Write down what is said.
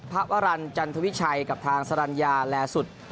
พระวรรณจันทวิชัยกับทางสรรญาแลสุด